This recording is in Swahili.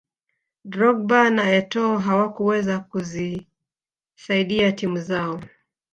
drogba na etoo hawakuweza kuzisaidia timu zao